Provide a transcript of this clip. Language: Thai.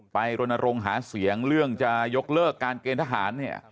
รณรงค์หาเสียงเรื่องจะยกเลิกการเกณฑ์ทหารเนี่ย